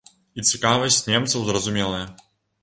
І цікавасць немцаў зразумелая.